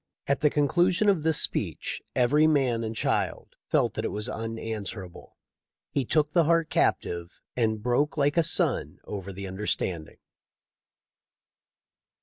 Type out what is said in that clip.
At the conclusion of this speech every man and child felt that it was unanswerable. He took the heart captive and broke like a sun over the understand ing."